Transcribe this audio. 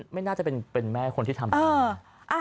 ไม่น่าจะเป็นแม่คนที่ทำ